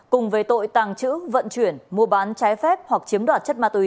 cùng về tội tàng trữ vận chuyển mua bán trái phép hoặc chiếm đoạt chất ma túy